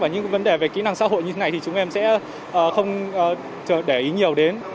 những vấn đề về kỹ năng xã hội như thế này thì chúng em sẽ không để ý nhiều đến